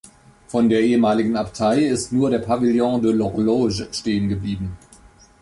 Von der ehemaligen Abtei ist nur der Pavillon de l’Horloge stehen geblieben.